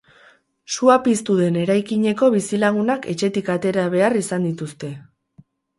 Sua piztu den eraikineko bizilagunak etxetik atera behar izan dituzte.